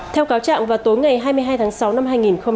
theo cáo trạng vào tối ngày hai mươi hai tháng sáu năm hai nghìn hai mươi